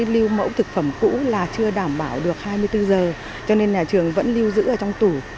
lưu mẫu thực phẩm cũ là chưa đảm bảo được hai mươi bốn giờ cho nên nhà trường vẫn lưu giữ ở trong tủ